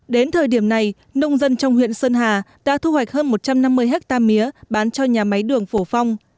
đến thời điểm này nông dân trong huyện sơn hà đã thu hoạch hơn một trăm năm mươi hectare mía bán cho nhà máy đường phổ phong